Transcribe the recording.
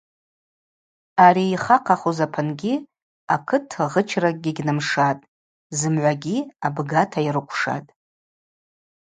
Ари йхахъахуз апынгьи акыт гъычракӏгьи гьнымшатӏ, зымгӏвагьи абгата йрыквшатӏ.